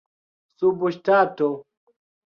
subŝtato